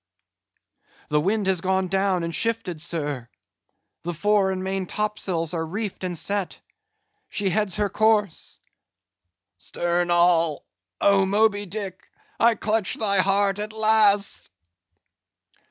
—The wind has gone down and shifted, sir; the fore and main topsails are reefed and set; she heads her course." "Stern all! Oh Moby Dick, I clutch thy heart at last!"